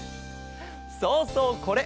そうそうこれ。